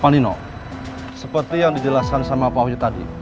pak nino seperti yang dijelaskan sama pak wahyu tadi